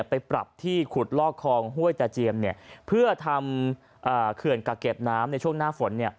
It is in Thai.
ไปปรับที่ขุดลอกคลองห้วยตาเจียมเพื่อทำเขื่อนกักเก็บน้ำในช่วงหน้าฝน